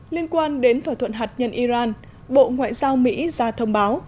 liên quan đến thỏa thuận hạt nhân iran bộ ngoại giao mỹ ra thông báo